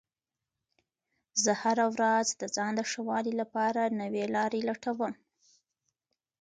زه هره ورځ د ځان د ښه والي لپاره نوې لارې لټوم